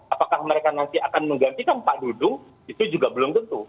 apakah mereka nanti akan menggantikan pak dudung itu juga belum tentu